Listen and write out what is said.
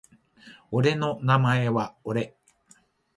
俺の名前は俺